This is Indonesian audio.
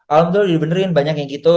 alhamdulillah dibenerin banyak yang gitu